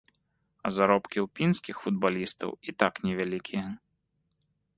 А заробкі ў пінскіх футбалістаў і так невялікія.